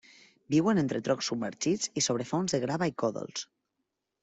Viuen entre troncs submergits i sobre fons de grava i còdols.